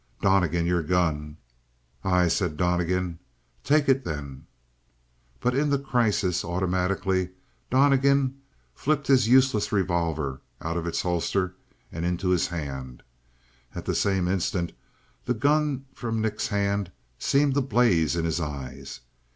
"Donnegan! Your gun!" "Aye," said Donnegan. "Take it then!" But in the crisis, automatically Donnegan flipped his useless revolver out of its holster and into his hand. At the same instant the gun from Nick's hand seemed to blaze in his eyes.